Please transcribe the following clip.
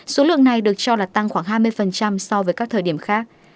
số lượng này được cho là tăng khoảng hai mươi so với các thời điểm khác